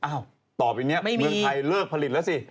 อ้าวตอบอย่างนี้มือไทยเลิกผลิตแล้วสิ